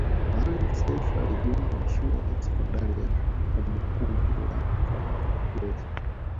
Maalim Self alijiunga na shule ya sekondari ya kumbukumbu ya mfalme George